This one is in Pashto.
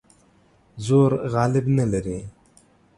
زور غالب نه لري.